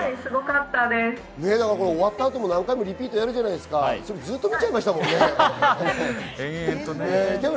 終わった後も何回もリピートやるじゃないですか、ずっと見ちゃいましたね。